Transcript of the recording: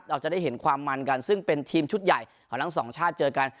เราจะได้เห็นความมันกันซึ่งเป็นทีมชุดใหญ่ของทั้งสองชาติเจอกัน